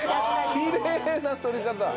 きれいな採り方！